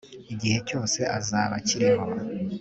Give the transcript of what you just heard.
igihe cyose azaba akiriho